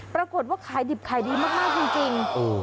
ปรากฏว่าขายดิบขายดีมากจริง